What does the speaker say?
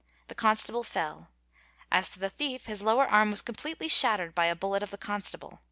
The ' constable fell; as to the thief his lower arm was completely shattered by a bullet of the constable.